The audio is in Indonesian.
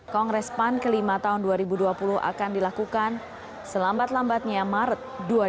kongres pan ke lima tahun dua ribu dua puluh akan dilakukan selambat lambatnya maret dua ribu dua puluh